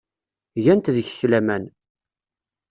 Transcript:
Gant deg-k laman.